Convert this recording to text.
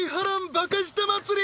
バカ舌祭り！